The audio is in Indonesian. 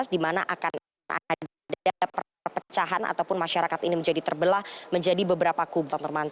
dimana akan ada perpecahan ataupun masyarakat ini menjadi terbelah menjadi beberapa kubur